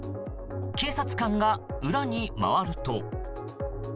警察官が裏に回ると。